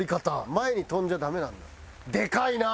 前に飛んじゃダメなんだ。